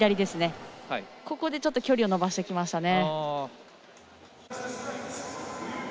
ここで距離を伸ばしてきましたね。